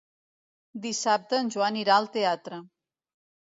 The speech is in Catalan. Dissabte en Joan irà al teatre.